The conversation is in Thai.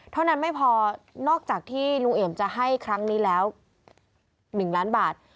เท่านั้นไม่พอนอกจากที่ลุงเอี่ยมจะให้ครั้งนี้แล้ว๑ล้านบาท